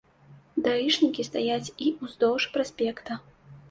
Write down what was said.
Даішнікі стаяць і ўздоўж праспекта.